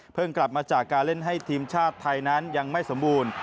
กลับมาจากการเล่นให้ทีมชาติไทยนั้นยังไม่สมบูรณ์